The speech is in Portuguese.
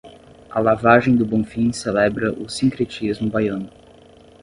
A Lavagem do Bonfim celebra o sincretismo baiano